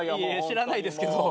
知らないですけど。